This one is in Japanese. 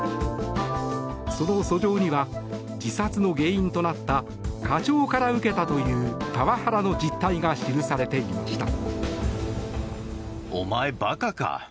その訴状には自殺の原因となった課長から受けたというパワハラの実態が記されていました。